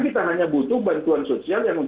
kita hanya butuh bantuan sosial yang